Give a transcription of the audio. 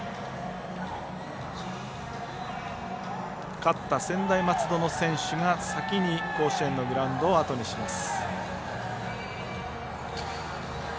勝った専大松戸の選手が先に甲子園のグラウンドをあとにします。